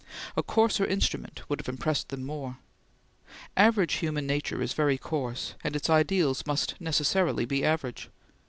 A coarser instrument would have impressed them more. Average human nature is very coarse, and its ideals must necessarily be average.